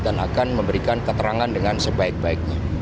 dan akan memberikan keterangan dengan sebaik baiknya